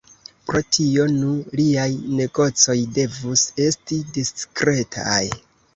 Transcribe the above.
Pro tio, nu, liaj negocoj devus esti diskretaj.